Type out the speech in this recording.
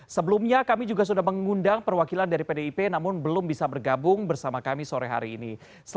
sebelumnya kami juga sudah mengundang perwakilan dari pdip namun belum bisa bergabung bersama kami sore hari ini